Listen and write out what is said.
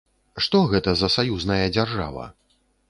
Што гэта за саюзная дзяржава?